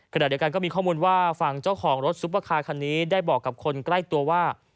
ขณะเดียวกันก็มีข้อมูลว่าฝั่งเจ้าของรถซุปเปอร์คาร์คันนี้ได้บอกกับคนใกล้ตัวว่า